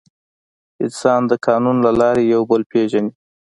انسان د قانون له لارې یو بل پېژني.